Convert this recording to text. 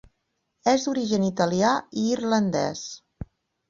És d'origen italià i irlandès.